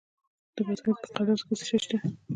د بادغیس په قادس کې څه شی شته؟